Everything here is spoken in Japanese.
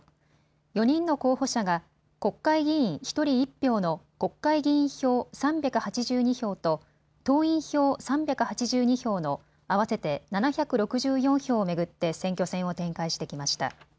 ４人の候補者が国会議員１人１票の国会議員票３８２票と党員票３８２票の合わせて７６４票を巡って選挙戦を展開してきました。